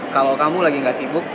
kalau kamu lagi gak sibuk